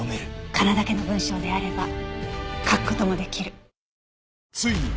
仮名だけの文章であれば書く事も出来る。